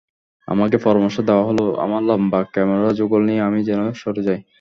আমাকে পরামর্শ দেওয়া হলো, আমার লম্বা ক্যামেরা-যুগল নিয়ে আমি যেন সরে যাই।